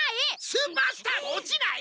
スーパースターも落ちない！